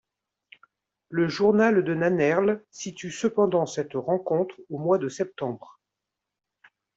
Le journal de Nannerl situe cependant cette rencontre au mois de septembre.